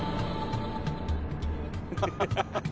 ハハハハ！